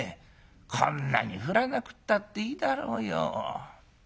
こんなに降らなくったっていいだろうよ。